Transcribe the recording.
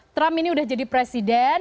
trump ini udah jadi presiden